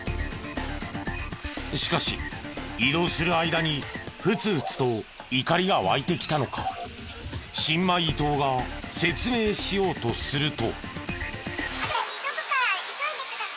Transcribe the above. しかし移動する間に沸々と怒りが湧いてきたのか新米伊東が説明しようとすると。